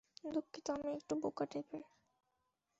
দুঃখিত, আমি একটু বোকা টাইপের।